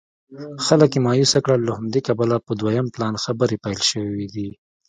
خلک یې مایوسه کړل له همدې کبله په دویم پلان خبرې پیل شوې دي.